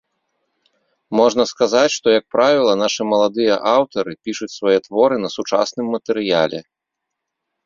Можна сказаць, што, як правіла, нашы маладыя аўтары пішуць свае творы на сучасным матэрыяле.